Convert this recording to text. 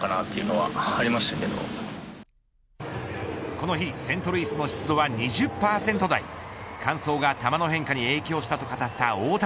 この日セントルイスの湿度は２０％台乾燥が球の変化に影響したと語った大谷。